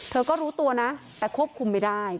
เธอก็รู้ตัวนะแต่ควบคุมไม่ได้